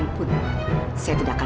tante ibu sudah selesai menikahkan aku